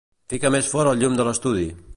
Fica més fort el llum de l'estudi.